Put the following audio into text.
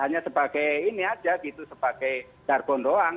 hanya sebagai ini aja gitu sebagai jargon doang